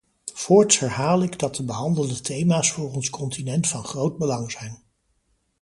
Voorts herhaal ik dat de behandelde thema's voor ons continent van groot belang zijn.